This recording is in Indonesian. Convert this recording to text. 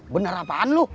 bener apaan lu